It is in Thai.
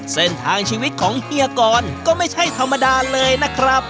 เส้นทางชีวิตของเฮียกรก็ไม่ใช่ธรรมดาเลยนะครับ